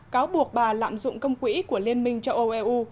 cáo buộc bà lạm dụng công quỹ của liên minh châu âu eu